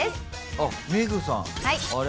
あっメグさんあれ。